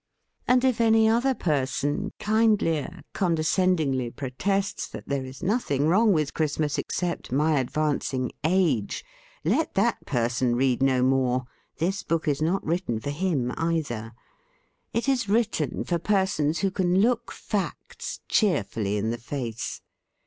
And if any other person, kindlier, condescend ingly protests that there is nothing wrong with Christmas except my ad vancing age, let that person read no more. This book is not written for him, either. It is written for persons who can look facts cheerfully in the face.